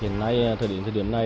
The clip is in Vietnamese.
hiện nay thời điểm thời điểm này